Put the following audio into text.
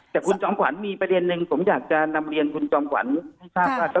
แต่คุณจอมขวัญมีประเด็นหนึ่งผมอยากจะนำเรียนคุณจอมขวัญให้ทราบว่า